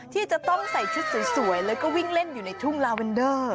ที่จะต้องใส่ชุดสวยแล้วก็วิ่งเล่นอยู่ในทุ่งลาเวนเดอร์